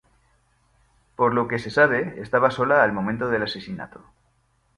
Por lo que se sabe, estaba sola al momento del asesinato.